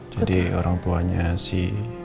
jadi orang tuanya si